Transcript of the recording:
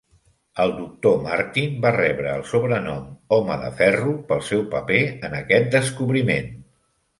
El doctor Martin va rebre el sobrenom "Home de Ferro" pel seu paper en aquest descobriment.